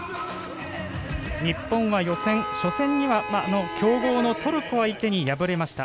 日本は予選、初戦には強豪のトルコ相手に敗れました。